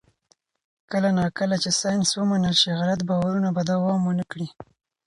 کله نا کله چې ساینس ومنل شي، غلط باورونه به دوام ونه کړي.